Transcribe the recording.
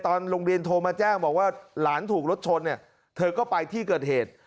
ตอนโรงเรียนโทรมาแจ้งบอกว่าหลานถูกรถชนเนี่ยเธอก็ไปที่เกิดเหตุ